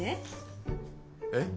えっ？